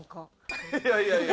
いやいやいや。